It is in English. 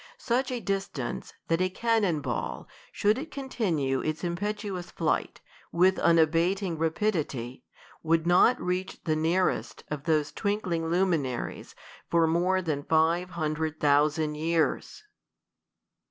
Such a distance, that a cannon ball, could it continue its impetuous flight, with unaboting rapidity, would not reach the nearest of those twinkling luminaries for more than five hun dred thousand years